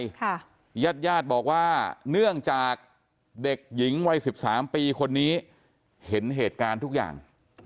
ญาติญาติบอกว่าเนื่องจากเด็กหญิงวัยสิบสามปีคนนี้เห็นเหตุการณ์ทุกอย่าง